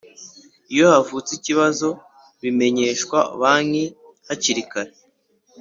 Iyo havutse ikibazo bimenyeshwa banki hakiri kare